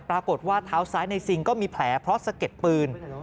ปรากฏว่าเท้าซ้ายในซิงก็มีแผลเพราะสะเก็ดปืน